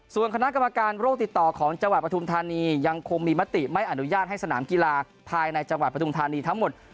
ส่วนคณะกรรมการโรคติดต่อของจังหวัดปฐุมธานียังคงมีมติไม่อนุญาตให้สนามกีฬาภายในจังหวัดปทุมธานีทั้งหมด